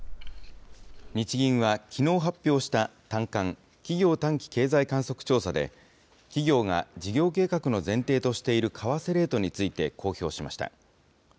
日銀はきのう発表した短観・企業短期経済観測調査で、企業が事業計画の前提としている為替レートについて公表しました。